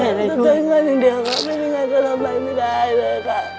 เข้าใจเพื่อนอย่างเดียวเขาไม่มีเงินก็ทำอะไรไม่ได้เลยค่ะ